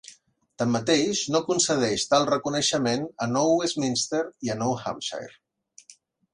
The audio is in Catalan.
Tanmateix, no concedeix tal reconeixement a Nou Westminster i Nou Hampshire.